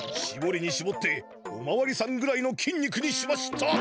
しぼりにしぼっておまわりさんぐらいのきん肉にしました！